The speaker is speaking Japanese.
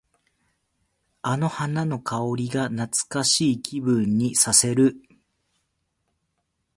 あの花の香りが懐かしい気分にさせる。